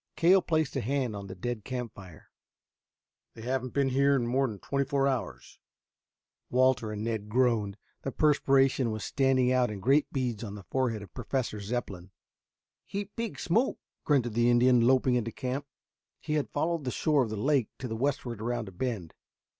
Cale placed a hand on the dead campfire. "They haven't been here in more than twenty four hours," he announced. Walter and Ned groaned. The perspiration was standing out in great beads on the forehead of Professor Zepplin. "Heap big smoke," grunted the Indian, loping into camp. He had followed the shore of the lake to the westward around a bend.